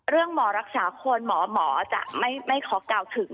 เรื่องหมอรักษาคนหมอจะไม่ขอกล่าวถึง